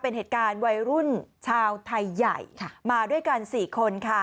เป็นเหตุการณ์วัยรุ่นชาวไทยใหญ่ค่ะมาด้วยกันสี่คนค่ะ